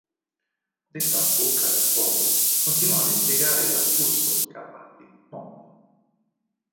Detta bocca da fuoco continuò ad impiegare l'affusto "Cavalli" Mod.